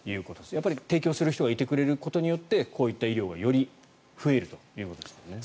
提供する人がいてくれることによってこういった医療がより増えるということですもんね。